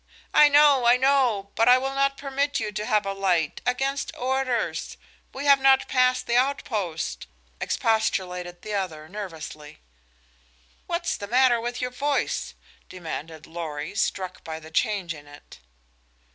"I know! I know! But I will not permit you to have a light. Against orders. We have not passed the outpost," expostulated the other, nervously. "What's the matter with your voice," demanded Lorry, struck by the change in it.